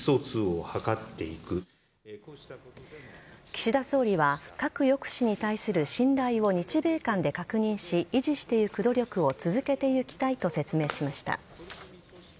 岸田総理は、核抑止に対する信頼を日米間で確認し維持していく努力を続けていきたいと説明しました。